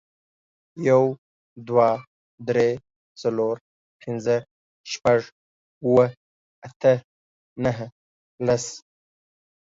يو، دوه، درې، څلور، پينځه، شپږ، اووه، اته، نهه، لس